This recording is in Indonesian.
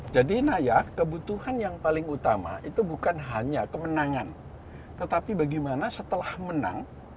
jadi naya kebutuhan yang paling utama itu bukan hanya kemenangan tetapi bagaimana setelah menang